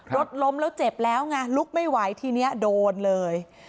รถล้มแล้วเจ็บแล้วไงลุกไม่ไหวทีนี้โดนเลย